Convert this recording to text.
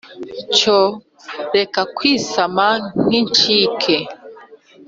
cyo reka kwisama nk' incike